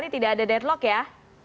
tidak ada deadlock ya